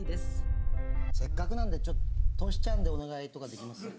せっかくなのでトシちゃんでお願いとかできます？